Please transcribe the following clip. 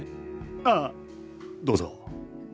あっどうぞ。